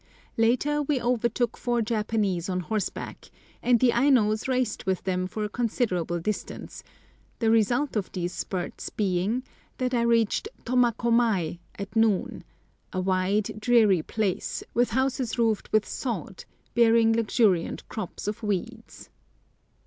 Later we overtook four Japanese on horseback, and the Ainos raced with them for a considerable distance, the result of these spurts being that I reached Tomakomai at noon—a wide, dreary place, with houses roofed with sod, bearing luxuriant crops of weeds.